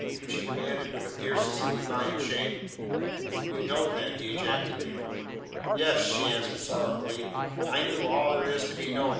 she demanded, with a fierceness of defiant shame. "You know, then?" he ejaculated. "Yes," she answered sorrowfully, "I know all there is to be known.